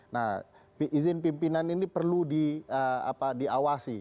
nah izin pimpinan ini perlu diawasi